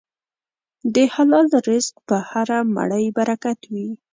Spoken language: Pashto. د حلال رزق په هره مړۍ برکت وي.